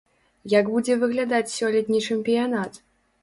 Як будзе выглядаць сёлетні чэмпіянат?